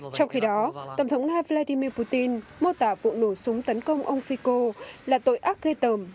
trong khi đó tổng thống nga vladimir putin mô tả vụ nổ súng tấn công ông fico là tội ác gây tờm